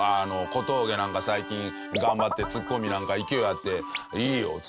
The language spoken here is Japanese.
小峠なんか最近頑張ってツッコミなんか勢いあっていいよって。